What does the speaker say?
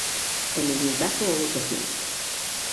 En ningún caso houbo toxina.